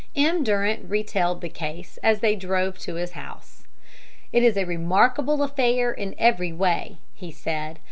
M. Durant retailed the case as they drove to his house. "It is a remarkable affair, in every way," he said.